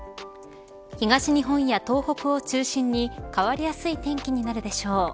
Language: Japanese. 東日本や東北を中心に変わりやすい天気になるでしょう